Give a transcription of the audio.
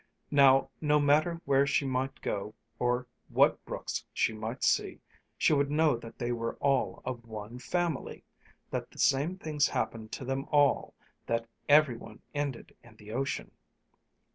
Now, no matter where she might go, or what brooks she might see, she would know that they were all of one family, that the same things happened to them all, that every one ended in the ocean.